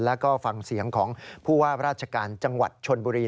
แล้วก็ฟังเสียงของผู้ว่าราชการจังหวัดชนบุรี